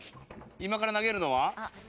今から投げるのは？